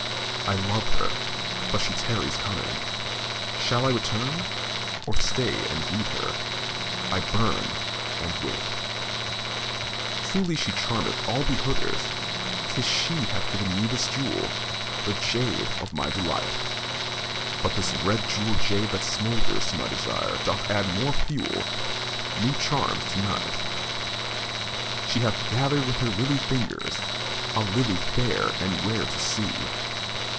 I love her, but she tarries coming. Shall I return, or stay and greet her? I burn, and wait. II Truly she charmeth all behooders, 'Tis she hath given me this jewel, The jade of my delight; But this red jewel jade that smoulders, To my desire doth add more fuel, New charms to night. III She has gathered with her lily fingers A lily fiar and rare to see.